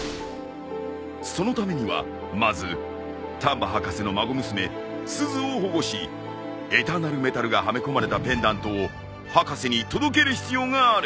そのためにはまず丹波博士の孫娘すずを保護しエターナルメタルがはめ込まれたペンダントを博士に届ける必要がある。